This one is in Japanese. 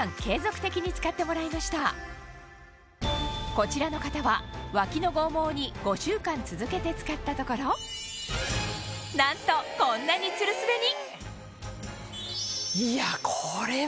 こちらの方はワキの剛毛に５週間続けて使ったところなんとこんなにツルスベに！